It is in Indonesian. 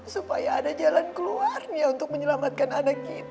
supaya ada jalan keluar ya untuk menyelamatkan anak kita